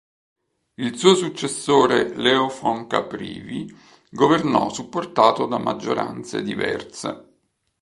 Il suo successore, Leo von Caprivi, governò supportato da maggioranze diverse.